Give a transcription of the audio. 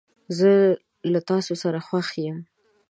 زه له تاسو سره خوښ یم.